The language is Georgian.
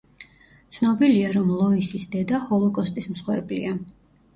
ცნობილია, რომ ლოისის დედა ჰოლოკოსტის მსხვერპლია.